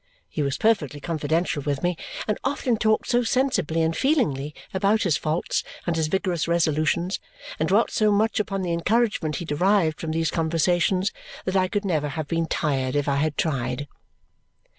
He was perfectly confidential with me, and often talked so sensibly and feelingly about his faults and his vigorous resolutions, and dwelt so much upon the encouragement he derived from these conversations that I could never have been tired if I had tried.